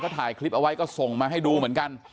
ถ่ายคลิปเอาไว้ก็ส่งมาให้ดูเหมือนกัน